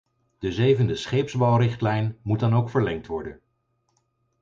De zevende scheepsbouwrichtlijn moet dan ook verlengd worden.